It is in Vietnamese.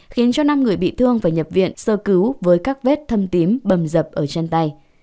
khiến cho năm người bị thương phải nhập viện sơ cứu với các vết thâm tím bầm dập ở chân tay